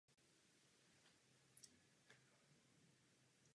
Strávil také jedenáct let v jižní Americe prací pro majitele tamních stříbrných dolů.